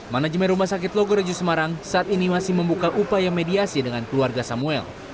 manajemen rumah sakit logo rejo semarang saat ini masih membuka upaya mediasi dengan keluarga samuel